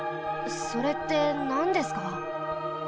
それってなんですか？